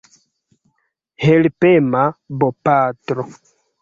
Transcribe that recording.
Helpema bopatro.